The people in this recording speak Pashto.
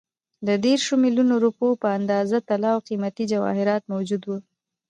د دېرشو میلیونو روپیو په اندازه طلا او قیمتي جواهرات موجود وو.